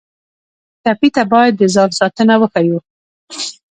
ټپي ته باید د ځان ساتنه وښیو.